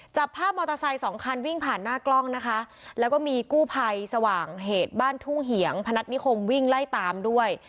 จับภาพมอเตอร์ไซค์๒คันวิ่งผ่านหน้ากร่องและมีกู้ไพสว่างเหตุบ้านทู่เหยียงบริษัทพนัดนิษฐ์วิ่งไล่ตามด้วย